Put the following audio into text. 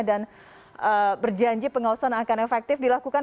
berjanji pengawasan akan efektif dilakukan